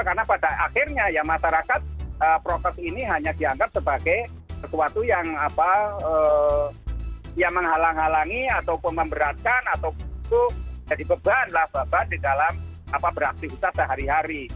karena pada akhirnya ya masyarakat protokol ini hanya dianggap sebagai sesuatu yang menghalang halangi atau mememberatkan atau jadi beban lah di dalam beraktivitas sehari hari